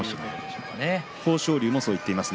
豊昇龍もそう言っています。